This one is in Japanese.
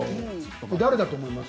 誰だと思います？